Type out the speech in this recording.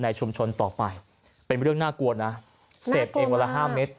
ชุมชนต่อไปเป็นเรื่องน่ากลัวนะเสพเองวันละ๕เม็ด